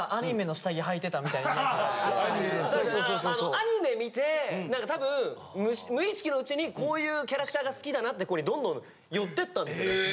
アニメ見て何か多分無意識のうちにこういうキャラクターが好きだなって子にどんどん寄ってったんですよね。